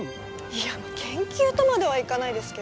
いや研究とまではいかないですけど。